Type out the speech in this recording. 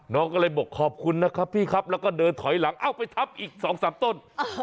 น้องก็เลยบอกขอบคุณนะครับพี่ครับแล้วก็เดินถอยหลังเอ้าไปทับอีก๒๓ต้น